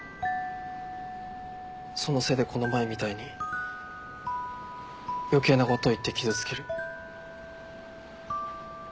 そのせいでこの前みたいに余計なことを言って傷つける。